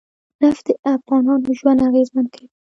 نفت د افغانانو ژوند اغېزمن کوي.